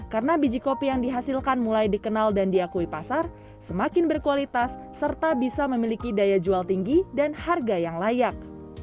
karena biji kopi yang dihasilkan mulai dikenal dan diakui pasar semakin berkualitas serta bisa memiliki daya jual tinggi dan harga yang layak